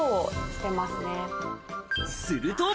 すると。